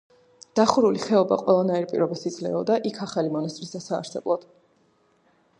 დახურული ხეობა ყველანაირ პირობას იძლეოდა იქ ახალი მონასტრის დასაარსებლად.